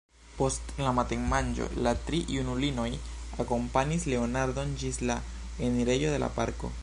Post la matenmanĝo la tri junulinoj akompanis Leonardon ĝis la enirejo de la parko.